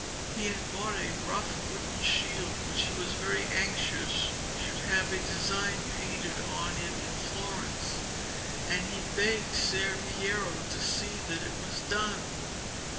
He had bought a rough wooden shield which he was very anxious should have a design painted on it in Florence, and he begged Ser Piero to see that it was done.